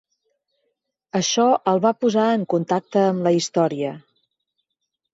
Això el va posar en contacte amb la història.